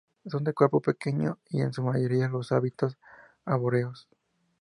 Son de cuerpo pequeño y, en su mayoría, de hábitos arbóreos.